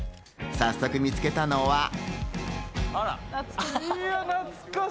早速、見つけたのは。